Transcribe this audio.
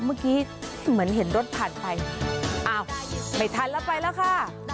เมื่อกี้เหมือนเห็นรถผ่านไปอ้าวไม่ทันแล้วไปแล้วค่ะ